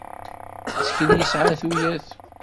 Yettkel yesɛa tuyat.